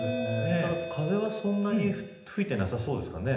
ただ風は、そんなに吹いてなさそうですかね。